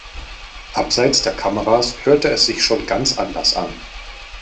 Abseits der Kameras hörte es sich schon ganz anders an.